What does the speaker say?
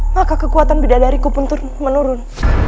maka kekuatan bidadariku pun menurun